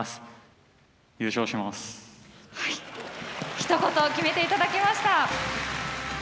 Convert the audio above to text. ひと言決めて頂きました。